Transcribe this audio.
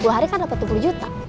dua puluh hari kan dapet dua puluh juta